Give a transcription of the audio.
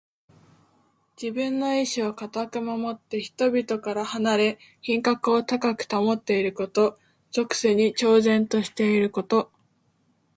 自分の意志をかたく守って、人々から離れ品格を高く保っていること。俗世に超然としていること。